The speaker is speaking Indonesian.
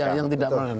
ya yang tidak menang